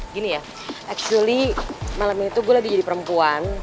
gini ya actually malam itu gue lagi jadi perempuan